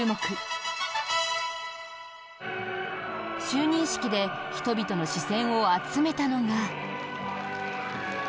就任式で人々の視線を集めたのが。